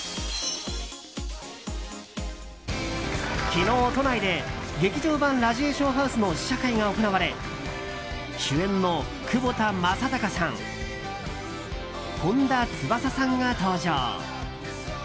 昨日、都内で「劇場版ラジエーションハウス」の試写会が行われ主演の窪田正孝さん本田翼さんが登場。